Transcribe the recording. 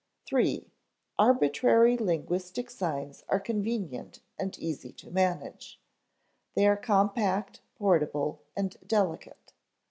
(iii) Arbitrary linguistic signs are convenient and easy to manage. They are compact, portable, and delicate.